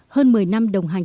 hơn một mươi năm đồng hành